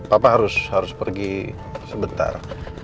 papa harus pergi sebentar